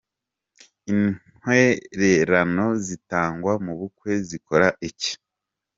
Intwererano zitangwa mu bukwe zikora iki ?.